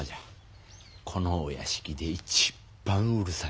このお屋敷で一番うるさい。